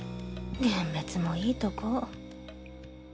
幻滅もいいとこ。